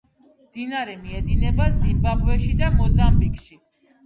მდინარე მიედინება ზიმბაბვეში და მოზამბიკში.